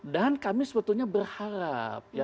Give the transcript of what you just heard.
dan kami sebetulnya berharap